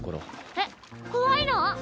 えっ怖いの？